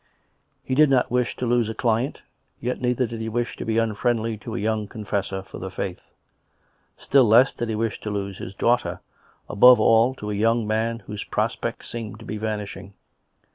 He did not wish to lose a client; yet neither did he wish to be unfriendly to a young confessor for the faith. Still less did he wis'h to lose his daughter, above all to a young man whose pros pects seemed to be vanishing.